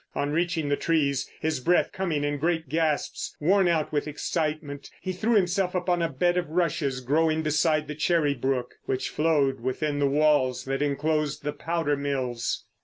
On reaching the trees, his breath coming in great gasps, worn out with excitement, he threw himself upon a bed of rushes growing beside the Cherry Brook, which flowed within the walls that enclosed the powder mills.